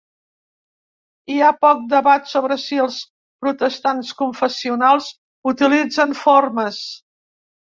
Hi ha poc debat sobre si els protestants confessionals utilitzen formes.